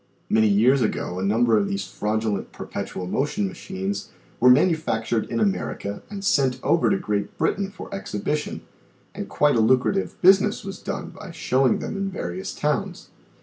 Many years ago a number of these fraudulent per petual motion machines were manufactured in America and sent over to Great Britain for exhibition, and quite a lucrative business was done by showing them in various towns.